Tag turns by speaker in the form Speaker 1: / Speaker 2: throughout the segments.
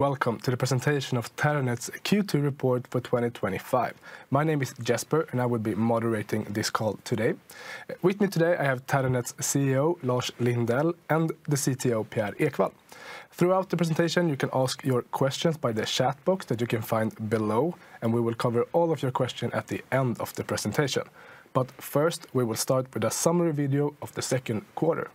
Speaker 1: Welcome to the presentation of Terranet's Q2 report for 2025. My name is Jesper, and I will be moderating this call today. With me today, I have Terranet's CEO, Lars Lindell, and the CTO, Pierre Ekwall. Throughout the presentation, you can ask your questions by the chat box that you can find below, and we will cover all of your questions at the end of the presentation. First, we will start with a summary video of the second quarter.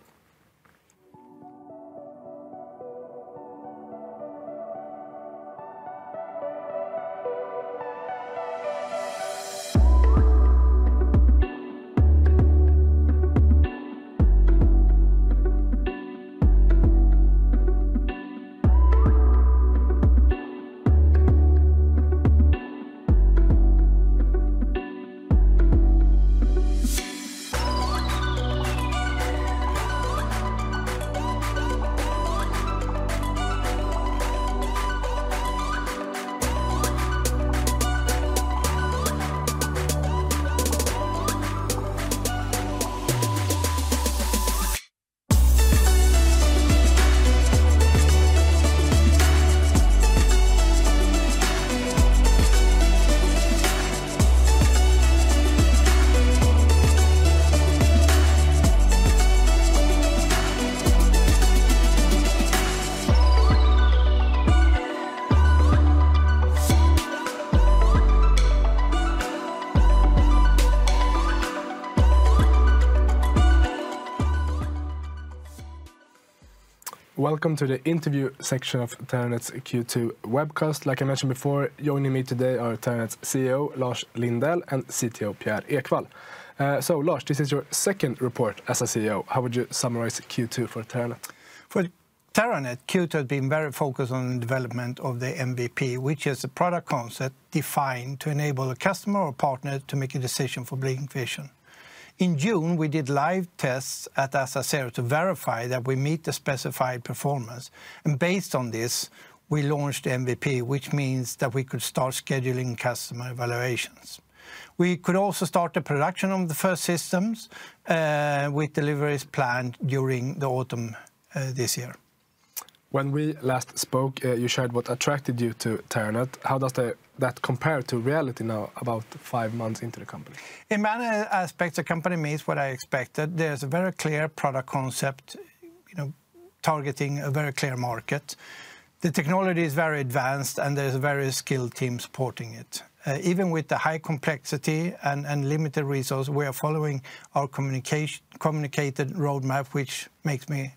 Speaker 1: Welcome to the interview section of Terranet's Q2 webcast. Like I mentioned before, joining me today are Terranet's CEO, Lars Lindell, and CTO, Pierre Ekwall. Lars, this is your second report as CEO. How would you summarize Q2 for Terranet?
Speaker 2: For Terranet, Q2 has been very focused on the development of the MVP, which is a product concept defined to enable a customer or partner to make a decision for bleeding fashion. In June, we did live tests at Asacero to verify that we meet the specified performance, and based on this, we launched the MVP, which means that we could start scheduling customer evaluations. We could also start the production of the first systems, with deliveries planned during the autumn, this year.
Speaker 1: When we last spoke, you shared what attracted you to Terranet. How does that compare to reality now, about five months into the company?
Speaker 2: In many aspects, the company meets what I expected. There's a very clear product concept, you know, targeting a very clear market. The technology is very advanced, and there's a very skilled team supporting it. Even with the high complexity and limited resources, we are following our communicated roadmap, which makes me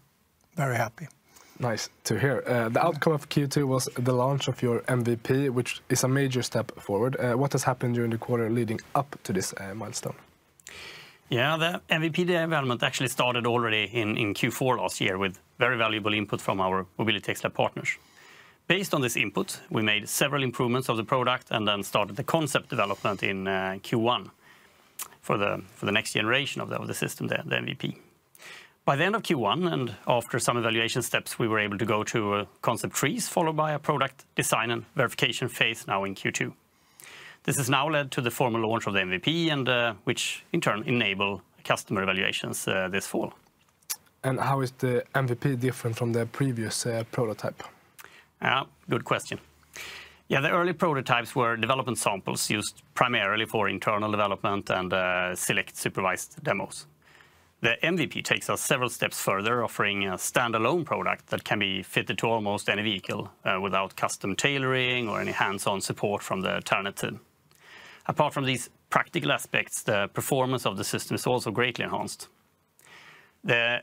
Speaker 2: very happy.
Speaker 1: Nice to hear. The outcome of Q2 was the launch of your MVP, which is a major step forward. What has happened during the quarter leading up to this milestone?
Speaker 3: Yeah, the MVP development actually started already in Q4 last year with very valuable input from our MobilityXlab partners. Based on this input, we made several improvements of the product and then started the concept development in Q1 for the next generation of the system, the MVP. By the end of Q1, and after some evaluation steps, we were able to go to a concept phase, followed by a product design and verification phase now in Q2. This has now led to the formal launch of the MVP, which in turn enables customer evaluations this fall.
Speaker 1: How is the MVP different from the previous prototype?
Speaker 3: Good question. The early prototypes were development samples used primarily for internal development and select supervised demos. The MVP takes us several steps further, offering a standalone product that can be fitted to almost any vehicle without custom tailoring or any hands-on support from the Terranet team. Apart from these practical aspects, the performance of the system is also greatly enhanced. The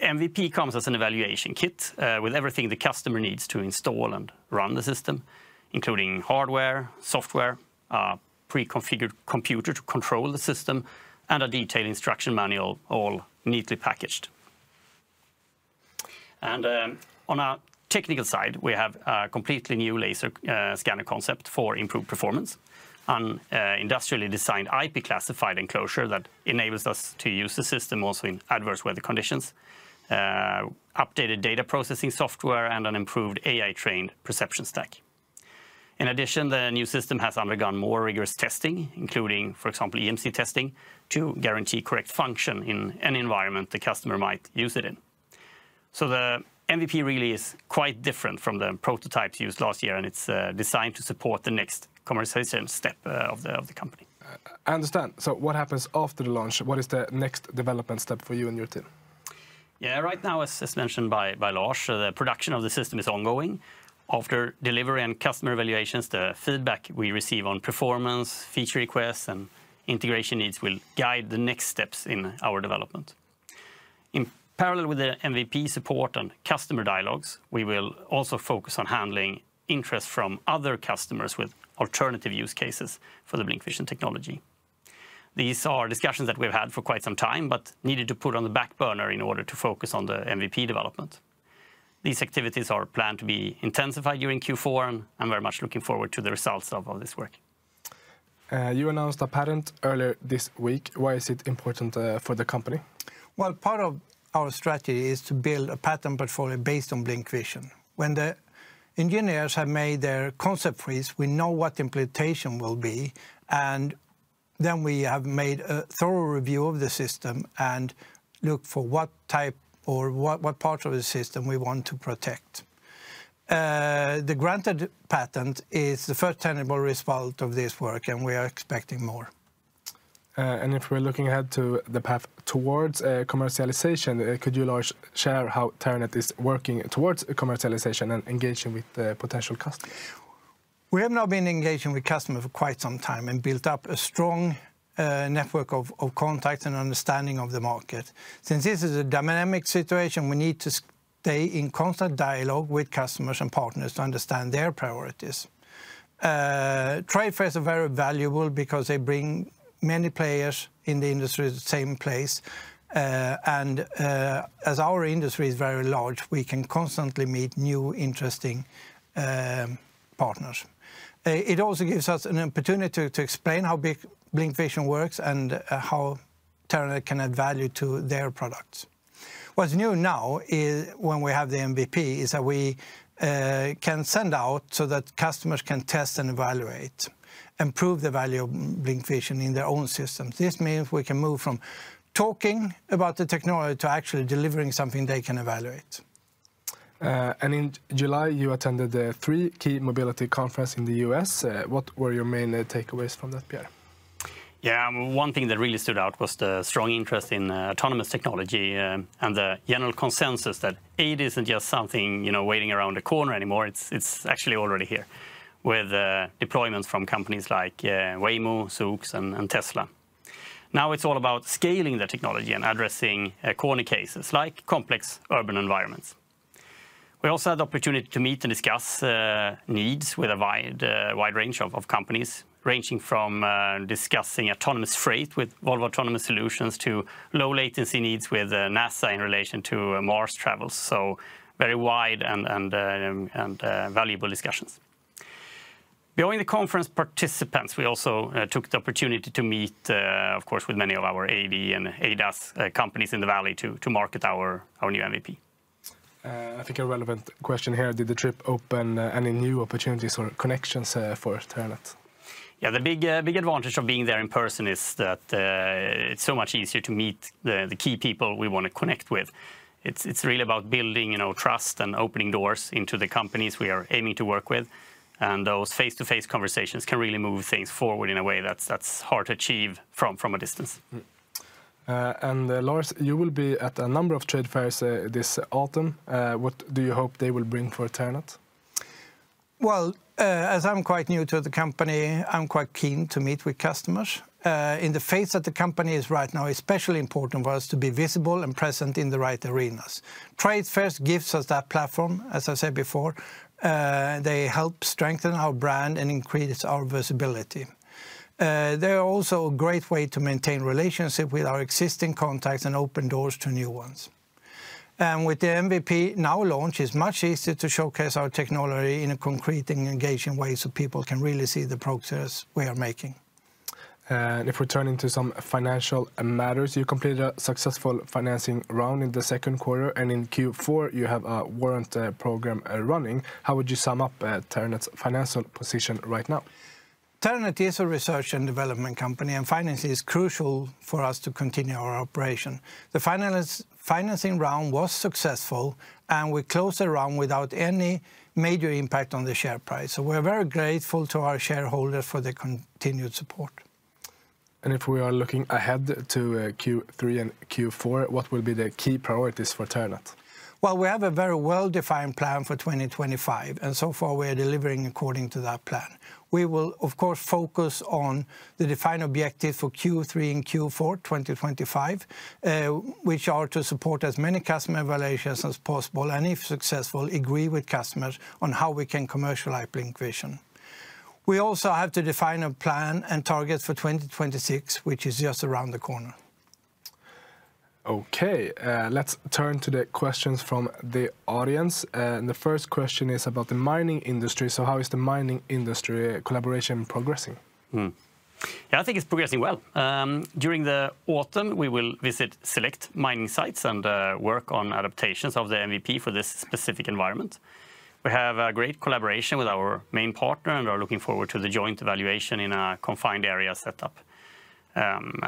Speaker 3: MVP comes as an evaluation kit with everything the customer needs to install and run the system, including hardware, software, a pre-configured computer to control the system, and a detailed instruction manual, all neatly packaged. On our technical side, we have a completely new laser scanner concept for improved performance, an industrially designed IP-classified enclosure that enables us to use the system also in adverse weather conditions, updated data processing software, and an improved AI-trained perception stack. In addition, the new system has undergone more rigorous testing, including, for example, EMC testing to guarantee correct function in any environment the customer might use it in. The MVP really is quite different from the prototypes used last year, and it's designed to support the next commercialization step of the company.
Speaker 1: I understand. What happens after the launch? What is the next development step for you and your team?
Speaker 3: Yeah, right now, as mentioned by Lars, the production of the system is ongoing. After delivery and customer evaluations, the feedback we receive on performance, feature requests, and integration needs will guide the next steps in our development. In parallel with the MVP support and customer dialogues, we will also focus on handling interest from other customers with alternative use cases for the BlincVision technology. These are discussions that we've had for quite some time, but needed to put on the back burner in order to focus on the MVP development. These activities are planned to be intensified during Q4, and I'm very much looking forward to the results of this work.
Speaker 1: You announced a patent earlier this week. Why is it important for the company?
Speaker 2: Part of our strategy is to build a patent portfolio based on BlincVision. When the engineers have made their concept freeze, we know what the implementation will be, and then we have made a thorough review of the system and looked for what type or what part of the system we want to protect. The granted patent is the first tenable result of this work, and we are expecting more.
Speaker 1: If we're looking ahead to the path towards commercialization, could you, Lars, share how Terranet is working towards commercialization and engaging with potential customers?
Speaker 2: We have now been engaging with customers for quite some time and built up a strong network of contacts and understanding of the market. Since this is a dynamic situation, we need to stay in constant dialogue with customers and partners to understand their priorities. Trade fairs are very valuable because they bring many players in the industry to the same place, and as our industry is very large, we can constantly meet new, interesting partners. It also gives us an opportunity to explain how BlincVision works and how Terranet can add value to their products. What's new now is when we have the MVP is that we can send out so that customers can test and evaluate and prove the value of BlincVision in their own systems. This means we can move from talking about the technology to actually delivering something they can evaluate.
Speaker 1: In July, you attended the pre-Key Mobility Conference in the U.S. What were your main takeaways from that, Pierre?
Speaker 3: Yeah, one thing that really stood out was the strong interest in autonomous technology and the general consensus that AD isn't just something, you know, waiting around the corner anymore. It's actually already here with deployments from companies like Waymo, Zoox, and Tesla. Now it's all about scaling the technology and addressing corner cases like complex urban environments. We also had the opportunity to meet and discuss needs with a wide range of companies, ranging from discussing autonomous freight with Volvo Autonomous Solutions to low latency needs with NASA in relation to Mars travel. Very wide and valuable discussions. Beyond the conference participants, we also took the opportunity to meet, of course, with many of our AV and ADAS companies in the valley to market our new MVP.
Speaker 1: I think a relevant question here, did the trip open any new opportunities or connections for Terranet?
Speaker 3: Yeah, the big advantage of being there in person is that it's so much easier to meet the key people we want to connect with. It's really about building trust and opening doors into the companies we are aiming to work with, and those face-to-face conversations can really move things forward in a way that's hard to achieve from a distance.
Speaker 1: Lars, you will be at a number of trade fairs this autumn. What do you hope they will bring for Terranet?
Speaker 2: As I'm quite new to the company, I'm quite keen to meet with customers. In the phase that the company is right now, it is especially important for us to be visible and present in the right arenas. Trade fairs give us that platform, as I said before. They help strengthen our brand and increase our visibility. They're also a great way to maintain relationships with our existing contacts and open doors to new ones. With the MVP now launched, it's much easier to showcase our technology in a concrete and engaging way so people can really see the progress we are making.
Speaker 1: If we turn into some financial matters, you completed a successful financing round in the second quarter, and in Q4, you have a warrant program running. How would you sum up Terranet's financial position right now?
Speaker 2: Terranet is a research and development company, and finance is crucial for us to continue our operation. The financing round was successful, and we closed the round without any major impact on the share price. We are very grateful to our shareholders for their continued support.
Speaker 1: If we are looking ahead to Q3 and Q4, what will be the key priorities for Terranet?
Speaker 2: We have a very well-defined plan for 2025, and so far we are delivering according to that plan. We will, of course, focus on the defined objectives for Q3 and Q4 2025, which are to support as many customer evaluations as possible, and if successful, agree with customers on how we can commercialize BlincVision. We also have to define a plan and target for 2026, which is just around the corner.
Speaker 1: Okay, let's turn to the questions from the audience. The first question is about the mining industry. How is the mining industry collaboration progressing?
Speaker 3: Yeah, I think it's progressing well. During the autumn, we will visit select mining sites and work on adaptations of the MVP for this specific environment. We have a great collaboration with our main partner, and we are looking forward to the joint evaluation in a confined area setup.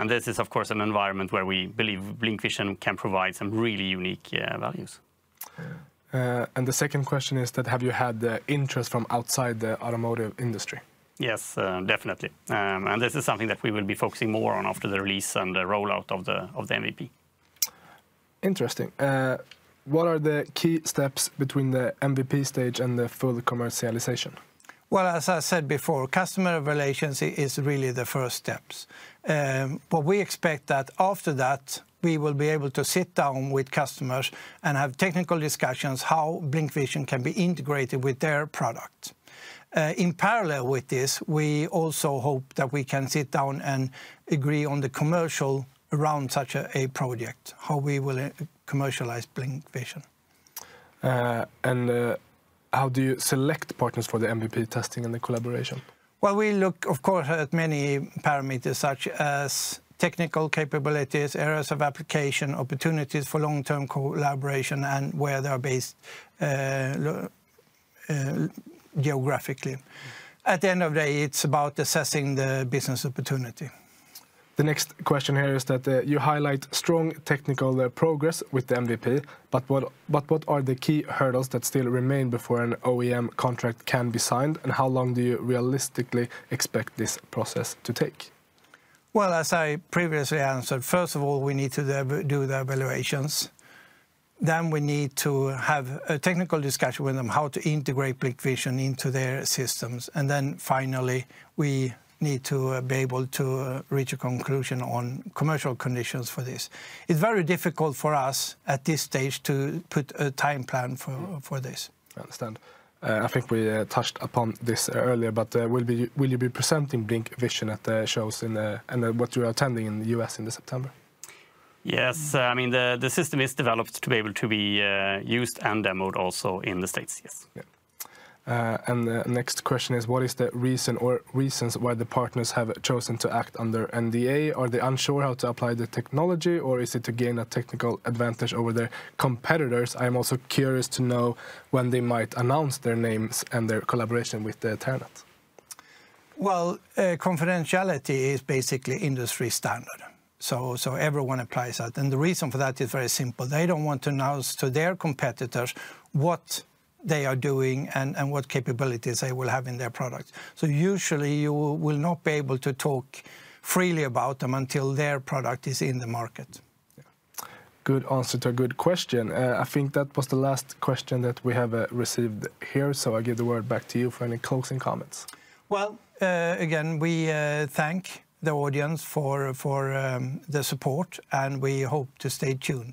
Speaker 3: This is, of course, an environment where we believe BlincVision can provide some really unique values.
Speaker 1: The second question is that have you had interest from outside the automotive industry?
Speaker 3: Yes, definitely. This is something that we will be focusing more on after the release and the rollout of the MVP.
Speaker 1: Interesting. What are the key steps between the MVP stage and the full commercialization?
Speaker 2: As I said before, customer relations is really the first step. What we expect is that after that, we will be able to sit down with customers and have technical discussions on how BlincVision can be integrated with their product. In parallel with this, we also hope that we can sit down and agree on the commercial round such a project, how we will commercialize BlincVision. be able to talk freely about them until their product is in the market.
Speaker 1: Good answer to a good question. I think that was the last question that we have received here, so I give the word back to you for any closing comments.
Speaker 2: We thank the audience for the support, and we hope to stay tuned.